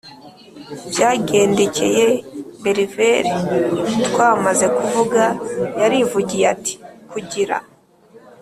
Byagendekeye beverly twamaze kuvuga yarivugiye ati kugira